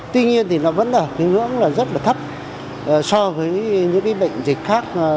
tuy nhiên thì nó vẫn là hướng rất là thấp so với những bệnh dịch khác